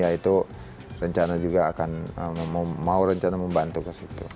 ya itu rencana juga akan mau rencana membantu kesitu